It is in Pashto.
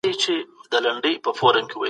ملالۍ ميوند کې بیرغ پورته کړ.